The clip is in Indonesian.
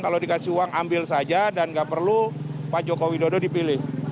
kasih uang ambil saja dan gak perlu pak joko widodo dipilih